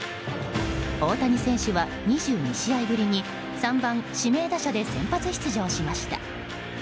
大谷選手は２２試合ぶりに３番指名打者で先発出場しました。